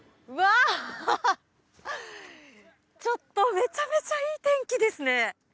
ちょっとめちゃめちゃいい天気ですね。